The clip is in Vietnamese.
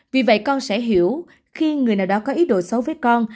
vì vậy con sẽ hiểu khi người nào đó có ý đồ xấu với con